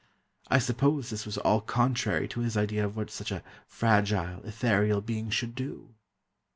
I suppose this was all contrary to his idea of what such a fragile, ethereal being should do.